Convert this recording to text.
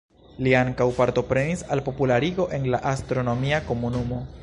Li ankaŭ partoprenis al popularigo en la astronomia komunumo.